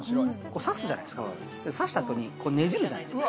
刺すじゃないですか、刺した後にねじるじゃないですか。